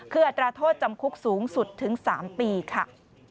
คืออัตราโทษจำคุกสูงสุดถึง๓ปีค่ะ